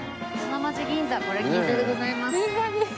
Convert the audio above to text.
これ銀座でございます。